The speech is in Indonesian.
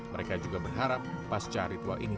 mereka juga berharap pasca ritual ini